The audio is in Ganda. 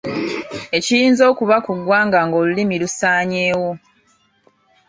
Ekiyinza okuba ku ggwanga ng’olulimi lusaanyeewo